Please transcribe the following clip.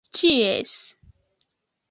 ĉies